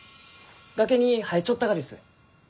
崖に生えちょったがです。